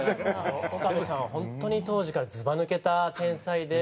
岡部さんは本当に当時からずば抜けた天才で。